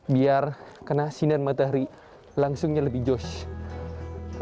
biar kena sinar matahari langsungnya lebih george